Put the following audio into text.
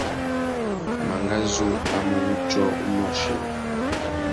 Mangazu a mú wutiō umôchï.